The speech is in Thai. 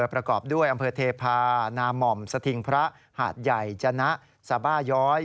ประกอบด้วยอำเภอเทพานาม่อมสถิงพระหาดใหญ่จนะสบาย้อย